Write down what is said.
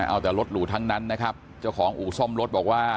เอาแต่รถหรูทั้งนั้นนะครับเจ้าของอู่ซ่อมรถบอกว่า